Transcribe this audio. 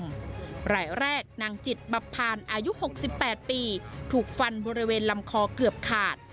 พลายแรกนางจิตบับผ่านอายุหกสิบแปดปีถูกฟันบริเวณลำคอเกือบขาด